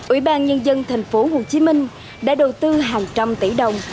ủy ban nhân dân tp hcm đã đầu tư hàng trăm tỷ đồng